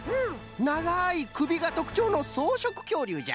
ながいくびがとくちょうのそうしょくきょうりゅうじゃ。